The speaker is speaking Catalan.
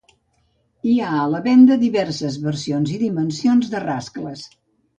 Hi ha a la venda diverses versions i dimensions de rascles.